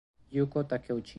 Yūko Takeuchi